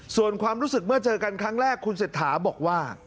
ส่วนความรู้สึกเมื่อเจอกันครั้งแรกคุณเศรษฐาบอกว่า